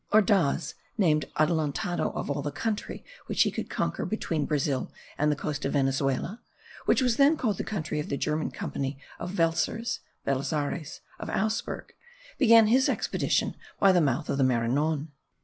Ordaz, named Adelantado of all the country which he could conquer between Brazil and the coast of Venezuela, which was then called the country of the German Company of Welsers (Belzares) of Augsburg, began his expedition by the mouth of the Maranon.